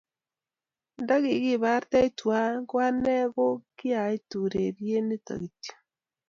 ndakibartech tuwai ko anee ko kiatuu ureriet nitok kityo